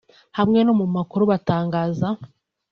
hamwe no mu makuru batangaza